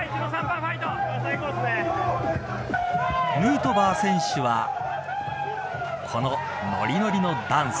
ヌートバー選手はこの、ノリノリのダンス。